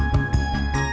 liat dong liat